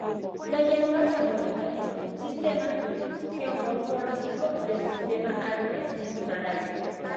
La llanura panónica es un subsistema geomorfológico del sistema Alpes Himalaya.